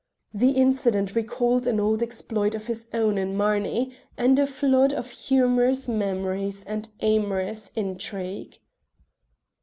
The incident recalled an old exploit of his own in Marney, and a flood of humorous memories of amorous intrigue.